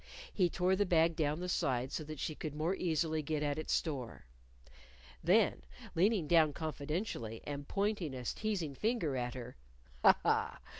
He tore the bag down the side so that she could more easily get at its store. Then, leaning down confidentially, and pointing a teasing finger at her, "Ha! Ha!